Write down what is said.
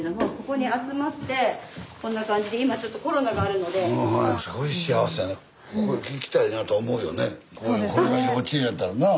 これが幼稚園やったらなあ。